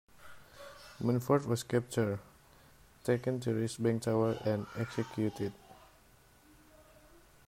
Mundford was captured, taken to Rysbank tower and executed.